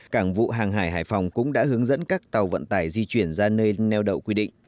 cảng vụ hàng hải hải phòng cũng đã hướng dẫn các tàu vận tải di chuyển ra nơi neo đậu quy định